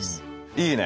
いいね！